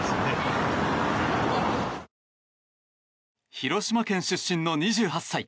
広島県出身の２８歳。